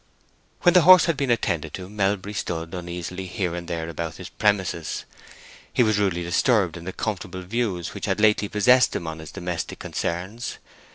When the horse had been attended to Melbury stood uneasily here and there about his premises; he was rudely disturbed in the comfortable views which had lately possessed him on his domestic concerns.